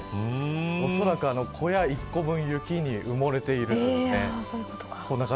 おそらく小屋１個分雪に埋もれているというね。